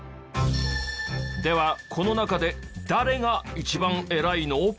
ではこの中で誰が一番偉いの？